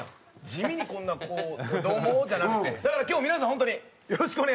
地味にこんなこう「どうも」じゃなくて。だから今日皆さんホントによろしくお願いします！